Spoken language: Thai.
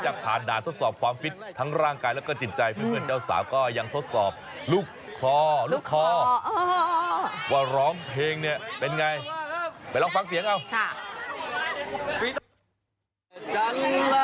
ฉันรักเธอเท่าฟ้ารักเธอเท่าไหร่รักเธอเท่าไหร่รักเธอเท่าไหร่